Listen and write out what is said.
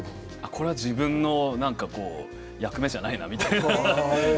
これは自分の役目じゃないなみたいな。